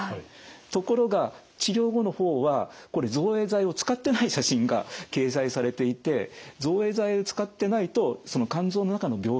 ところが治療後の方はこれ造影剤を使ってない写真が掲載されていて造影剤を使ってないとその肝臓の中の病変っていうのは非常に見えにくい。